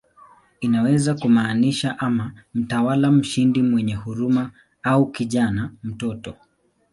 Inaweza kumaanisha ama "mtawala mshindi mwenye huruma" au "kijana, mtoto".